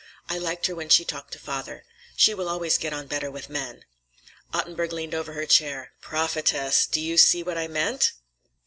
I liked her when she talked to father. She will always get on better with men." Ottenburg leaned over her chair. "Prophetess! Do you see what I meant?"